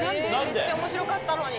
めっちゃ面白かったのに。